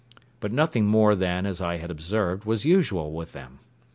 but nothing more than, as I had observed, was usual with them.